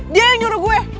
dia yang nyuruh gue